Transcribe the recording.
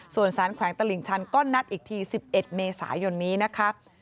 ส่วนสารแขวงตลิ่งชันก็นัดอีกที๑๑เมษายนนี้นะคะ